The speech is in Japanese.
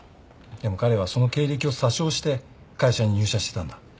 でも彼はその経歴を詐称して会社に入社してたんだ。